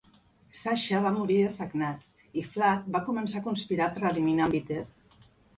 Sasha va morir dessagnat i Flagg va començar a conspirar per eliminar a en Peter.